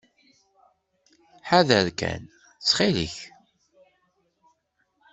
Ḥader kan, ttxil-k.